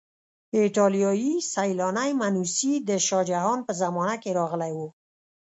ایټالیایی سیلانی منوسي د شاه جهان په زمانه کې راغلی و.